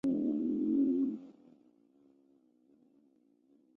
仕至湖广按察使司副使。